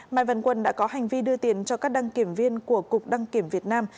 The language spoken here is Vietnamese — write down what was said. mai văn quân đã có hành vi đưa tiền cho các đăng kiểm viên của cục đăng kiểm việt nam